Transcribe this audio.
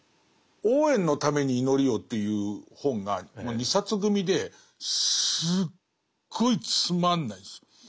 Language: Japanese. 「オウエンのために祈りを」という本が２冊組ですっごいつまんないんですよ。